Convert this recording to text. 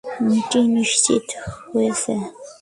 Meeting নিশ্চিত হয়েছে?